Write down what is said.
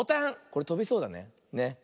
これとびそうだね。